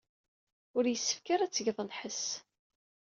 Ur yessefk ara ad tged lḥess.